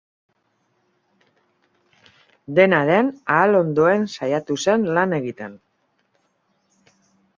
Dena den, ahal ondoen saiatu zen lan egiten.